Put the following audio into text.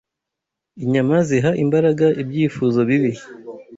Inyama Ziha Imbaraga Ibyifuzo Bibi